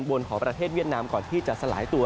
บนของประเทศเวียดนามก่อนที่จะสลายตัว